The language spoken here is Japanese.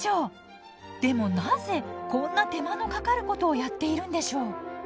でもなぜこんな手間のかかることをやっているんでしょう。